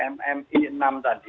mmi enam tadi